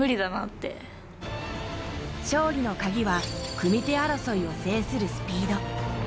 勝利の鍵は、組み手争いを制するスピード。